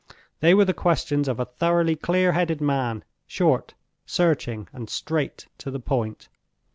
They were the questions of a thoroughly clear headed man—short, searching, and straight to the point.